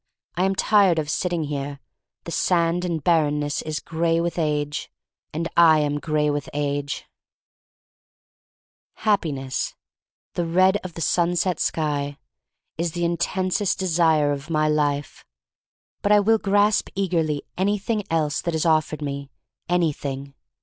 I am tired of sitting here. The sand and barrenness is gray with age. And I am gray with age. 272 THE STORY OF MARY llACLANE Happiness — the red of the sunset sky — is the intensest desire of my life. But I will grasp eagerly anything else that is offered me — anything.